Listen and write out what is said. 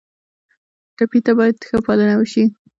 ټپي ته باید ښه پالنه وشي.